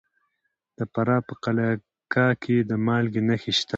د فراه په قلعه کاه کې د مالګې نښې شته.